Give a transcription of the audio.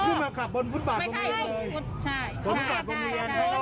จนคนตกออกสูกใกล้กันหมดแล้วเกิดอะไรขึ้น